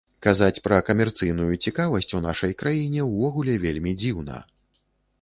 Казаць пра камерцыйную цікавасць у нашай краіне увогуле вельмі дзіўна.